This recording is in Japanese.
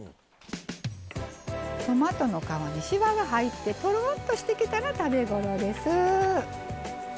トマトの皮にしわが入ってとろっとしてきたら食べ頃です。